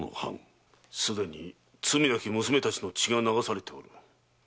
すでに罪なき娘達の血が流されておる。